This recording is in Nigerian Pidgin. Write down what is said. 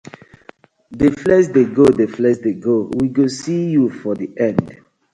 Dey flex dey go, dey flex dey go, we go see yu for di end.